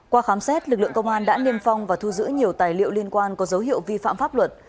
qua khám xét lực lượng công an đã niêm phong và thu giữ nhiều tài liệu liên quan có dấu hiệu vi phạm pháp luật